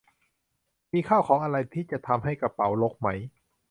มีข้าวของอะไรที่จะทำให้กระเป๋ารกไหม